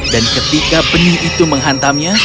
dan ketika benih itu menghantamnya